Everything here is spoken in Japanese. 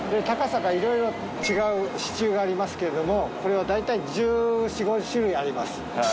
高さがいろいろ違う支柱がありますけれども、これは大体１４、５種類あります。